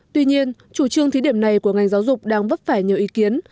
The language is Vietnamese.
tuy nhiên chủ trương thí điểm này của ngành giáo dục đang vấp phải nhiều ý kiến